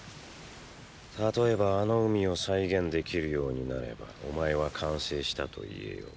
たとえばあの海を再現できるようになればお前は完成したと言えよう。